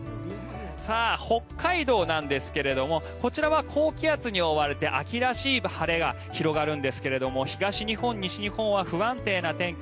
北海道ですがこちらは高気圧に覆われて秋らしい晴れが広がるんですが東日本、西日本は不安定な天気。